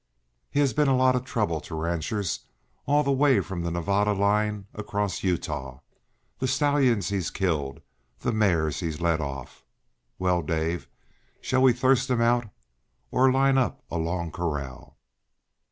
He has been a lot of trouble to ranchers all the way from the Nevada line across Utah. The stallions he's killed, the mares he's led off! Well, Dave, shall we thirst him out, or line up a long corral?"